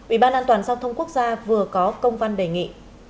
ủy ban an toàn giao thông quốc gia vừa có công văn đề nghị